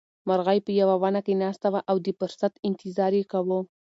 مرغۍ په یوه ونه کې ناسته وه او د فرصت انتظار یې کاوه.